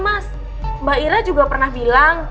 mas mbak ira juga pernah bilang